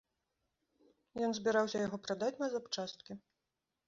Ён збіраўся яго прадаць на запчасткі.